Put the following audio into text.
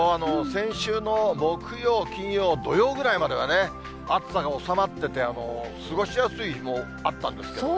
先週の木曜、金曜、土曜ぐらいまではね、暑さが収まってて、過ごしやすい日もあったんですけど。